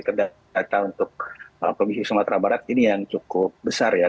terdata untuk provinsi sumatera barat ini yang cukup besar ya